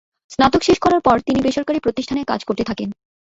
স্নাতক শেষ করার পর তিনি বেসরকারি প্রতিষ্ঠানে কাজ করতে থাকেন।